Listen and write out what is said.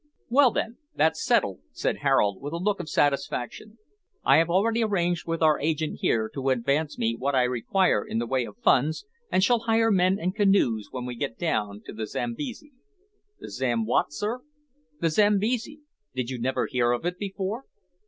"Well, then, that's settled," said Harold, with a look of satisfaction; "I have already arranged with our agent here to advance me what I require in the way of funds, and shall hire men and canoes when we get down to the Zambesi " "The Zam wot, sir?" "The Zambesi; did you never hear of it before?"